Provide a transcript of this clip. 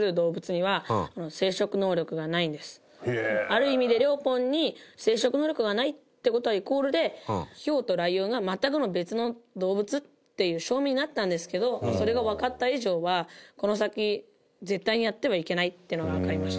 ある意味でレオポンに生殖能力がないって事はイコールでヒョウとライオンが全くの別の動物っていう証明になったんですけどそれがわかった以上はこの先絶対にやってはいけないっていうのがわかりました。